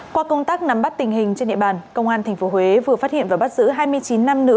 qua công tác nắm bắt tình hình trên địa bàn công an tp huế vừa phát hiện và bắt giữ hai mươi chín nam nữ